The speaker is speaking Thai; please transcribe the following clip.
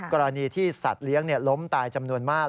กรณีที่สัตว์เลี้ยงล้มตายจำนวนมาก